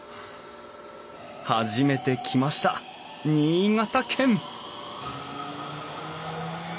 初めて来ました新潟県！